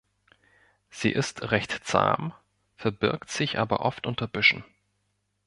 Sie ist recht zahm, verbirgt sich aber oft unter Büschen.